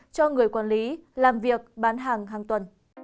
cho người quản lý làm việc bán hàng hàng tuần